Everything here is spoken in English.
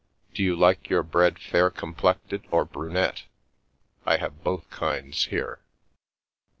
Do you like your bread fair complected or brunette? I have both kinds here."